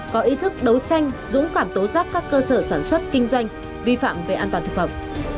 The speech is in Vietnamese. có ý thức đấu tranh dũng cảm tố giác các cơ sở sản xuất kinh doanh vi phạm về an toàn thực phẩm